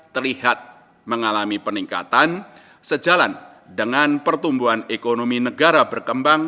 terlihat mengalami peningkatan sejalan dengan pertumbuhan ekonomi negara berkembang